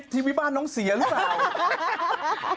ที่บ้านน้องเสียหรือเปล่า